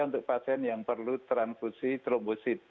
untuk pasien yang perlu transfusi trombosit